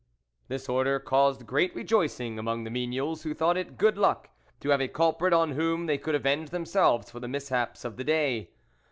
This order caused great rejoicing among the menials, who thought it good luck to have a culprit on whom they could avenge themselves for the mishaps of the day.